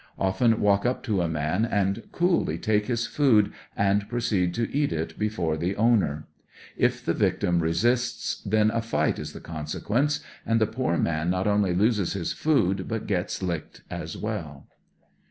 Often walk up to a man and coolly take his food and proceed to eat it before the owner. If ihe victim resists then a fight is the consequence, and the poor man not only loses his food but gets licked as well.